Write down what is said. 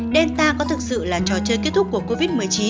delta có thực sự là trò chơi kết thúc của covid một mươi chín